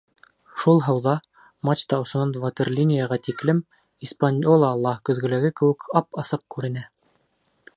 Шул һыуҙа, мачта осонан ватерлинияға тиклем, «Испаньола» ла көҙгөләге кеүек ап-асыҡ күренә.